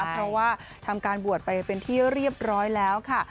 เพราะว่าทำการบวชไปเป็นที่เรียบร้อยแล้วค่ะ